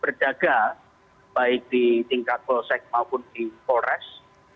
berdagang baik di tingkat gosek maupun di kores